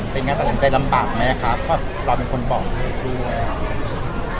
เป็นงานประหลังใจลำบากไหมอ่ะค่ะเพราะเราเป็นคนบอกให้ช่วย